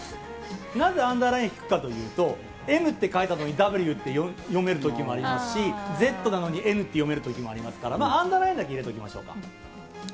なぜ、アンダーライン引くかというと、Ｍって書いたのにＷって読めるときもありますし、ＺなのにＮって読めるときもありますから、まあ、アンダーラインだけ入れておきましょうか。